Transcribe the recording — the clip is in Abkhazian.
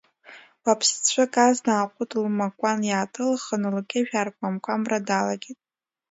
Уаԥсҵәык азна аҟәыд лмакәан иааҭылхын лқьышә аркәамкәамра далагеит…